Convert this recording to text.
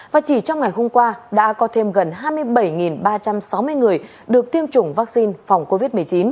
và chỉ trong ngày hôm qua đã có thêm gần hai mươi bảy ba trăm sáu mươi người được tiêm chủng vaccine phòng covid một mươi chín